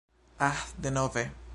Ah, denove!